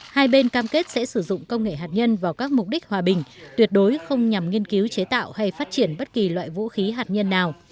hai bên cam kết sẽ sử dụng công nghệ hạt nhân vào các mục đích hòa bình tuyệt đối không nhằm nghiên cứu chế tạo hay phát triển bất kỳ loại vũ khí hạt nhân nào